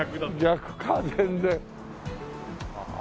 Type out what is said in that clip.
逆か全然。